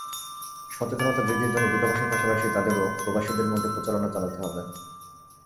সচেতনতা বৃদ্ধির জন্য দূতাবাসের পাশাপাশি তাদেরও প্রবাসীদের মধ্যে প্রচারণা চালাতে হবে।